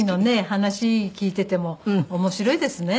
話聞いてても面白いですね。